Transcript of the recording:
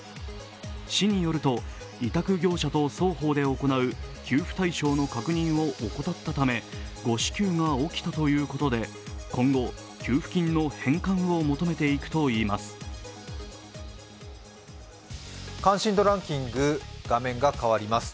市によると委託業者と双方で行う、給付対象の確認を怠ったため誤支給が起きたということで、今後給付金の返還を求めていくといいます。